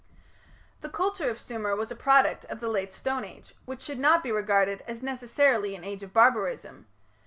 The culture of Sumer was a product of the Late Stone Age, which should not be regarded as necessarily an age of barbarism.